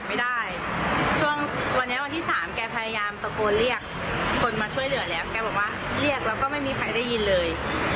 แกบอกว่าเรียกแล้วไม่มีใครได้ยืนเลย